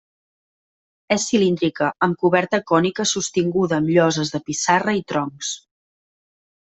És cilíndrica, amb coberta cònica sostinguda amb lloses de pissarra i troncs.